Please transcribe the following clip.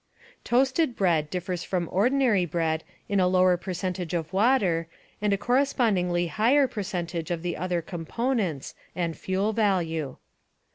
Toasted bread differs from ordinary bread in a lower percentage of water and a correspondingly higher percentage of the other components and fuel value.